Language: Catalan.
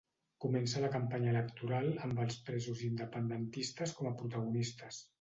Comença la campanya electoral amb els presos independentistes com a protagonistes.